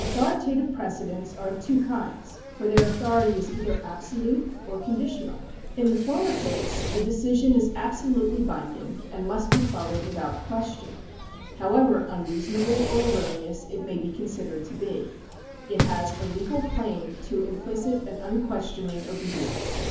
Avithoritative precedents are of two kinds, for their autho rity is either absolute or conditional. In the former case the decision is absolutely binding and must be followed without question, however unreasonable or erroneous it may be considered to be. It has a legal claim to implicit and unquestioning obedience.